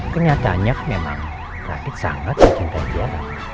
kenyataannya memang radit sangat mencintai tiara